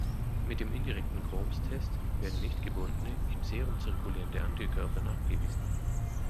Mit dem "indirekten Coombs-Test" werden nicht-gebundene, im Serum zirkulierende Antikörper nachgewiesen.